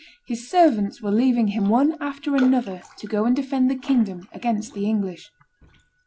His servants were leaving him one after another to go and defend the kingdom against the English.